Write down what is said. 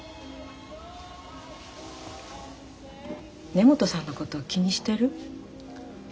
根本さんのこと気にしてる？